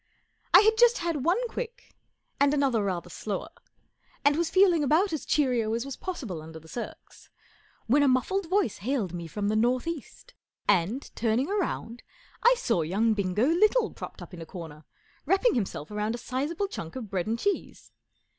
I had just had one quick ami another rather slower, and was feeling about as cheerio as was possible under the circs, when a muffled voice hailed me from the north east, and, turning round, I saw young Bingo Little propped up in a corner, wrapping himself round a sizable chunk of bread and cheese.